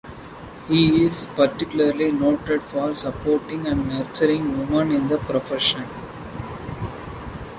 He is particularly noted for supporting and nurturing women in the profession.